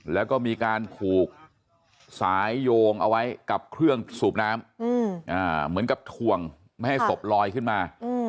แล้วก็มีการผูกสายโยงเอาไว้กับเครื่องสูบน้ำเหมือนกับถ่วงไม่ให้ศพลอยขึ้นมา